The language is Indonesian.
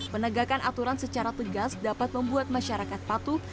penegakan aturan secara tegas dapat membuat masyarakat patuh